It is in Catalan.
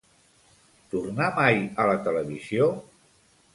Tornà mai a la televisió?